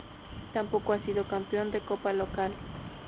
Tampoco ha sido campeón de Copa Local.